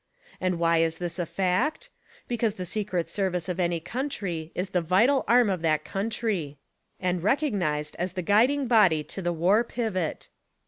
And why is this a fact? Because the Secret Service of any country is the vital arm of that country and recognized as the guiding body to the war pivot.